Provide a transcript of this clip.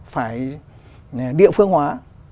phải địa phương hóa